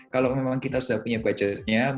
kalau memang kita sudah punya budgetnya